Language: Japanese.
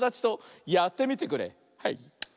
はい。